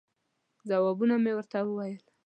ځوابونه مې ورته وویل.